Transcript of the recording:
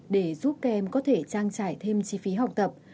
để giúp kèm có thể trang trải thêm chi phí học tập